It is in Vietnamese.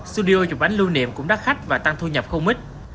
studio chụp bánh lưu niệm cũng đắt khách và tăng thu nhập không ít